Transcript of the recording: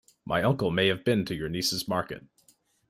My uncle may have been to your niece's market.